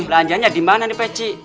belanjanya di mana nih peci